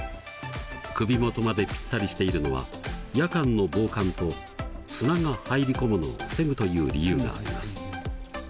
首元までぴったりしているのは夜間の防寒と砂が入り込むのを防ぐという理由があります。